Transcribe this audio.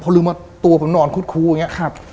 พอลืมว่าตัวผมนอนคุดอย่างนี้ครับ